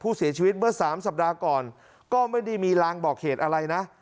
ผู้เสียชีวิตเมื่อสามสัปดาห์ก่อนก็ไม่ได้มีรางบอกเหตุอะไรนะ